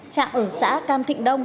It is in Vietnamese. trạm ở xã cam thịnh đông